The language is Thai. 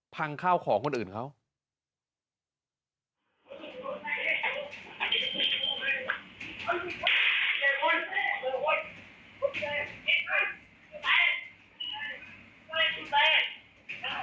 พังข้าวของคนอื่นเขา